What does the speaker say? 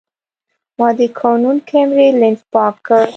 ما د کانون کیمرې لینز پاک کړ.